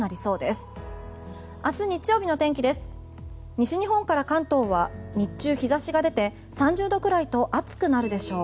西日本から関東は日中、日差しが出て３０度くらいと暑くなるでしょう。